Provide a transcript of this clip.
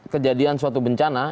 kejadian suatu bencana